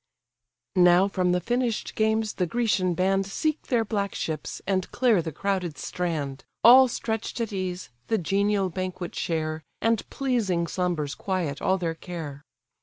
Now from the finish'd games the Grecian band Seek their black ships, and clear the crowded strand, All stretch'd at ease the genial banquet share, And pleasing slumbers quiet all their care.